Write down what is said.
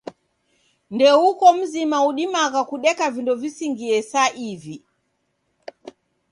Ndeuko mzima udimagha kudeka vindo visingie sa ivi.